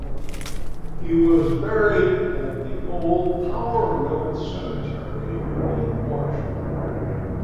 He was buried at the Old Powder Mill Cemetery in Marshall.